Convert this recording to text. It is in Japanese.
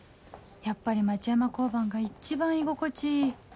やっぱり町山交番が一番居心地いい